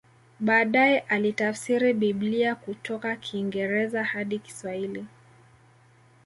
Baadae alitafsiri Biblia kutoka Kiingereza hadi Kiswahili